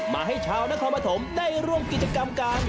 มาให้ชาวนครปฐมได้ร่วมกิจกรรมกัน